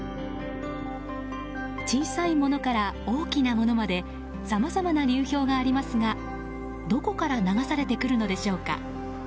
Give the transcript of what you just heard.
小さいものから、大きなものまでさまざまな流氷がありますがどこから流されてくるのでしょうか。